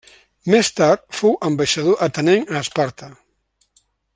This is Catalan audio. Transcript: Més tard fou ambaixador atenenc a Esparta.